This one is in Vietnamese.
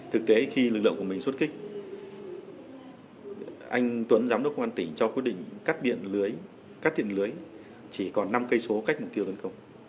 thực tế khi lực lượng của mình xuất kích anh tuấn giám đốc quan tỉnh cho quyết định cắt điện lưới chỉ còn năm km cách mục tiêu tấn công